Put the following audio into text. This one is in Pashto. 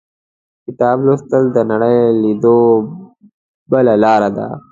• کتاب لوستل، د نړۍ لیدو بله لاره ده.